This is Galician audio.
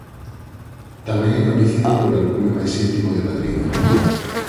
Tamén é coñecido polo alcume máis íntimo de Padriño.